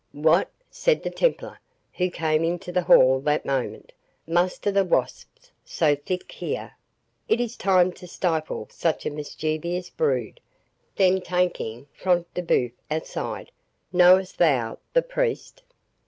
"What!" said the Templar, who came into the hall that moment, "muster the wasps so thick here? it is time to stifle such a mischievous brood." Then taking Front de Bœuf aside "Knowest thou the priest?"